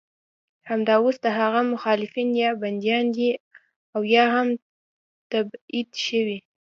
همدا اوس د هغه مخالفین یا بندیان دي او یا هم تبعید شوي.